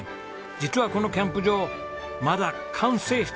実はこのキャンプ場まだ完成しておりません！